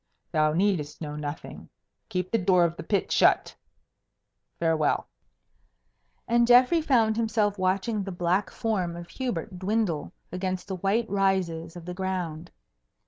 "Thou needest know nothing. Keep the door of the pit shut. Farewell." And Geoffrey found himself watching the black form of Hubert dwindle against the white rises of the ground.